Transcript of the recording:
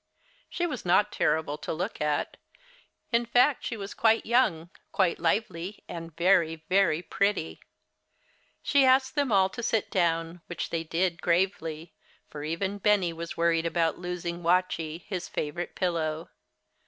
She was not terrible to look at. In fact she was quite young, quite lively, and very, very pretty. She asked them all to sit down, which they did gravely, for even Benny was worried about losing "Watchie," his favorite pillow.